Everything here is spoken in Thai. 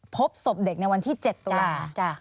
พบศพเด็กในวันที่๗ตุลา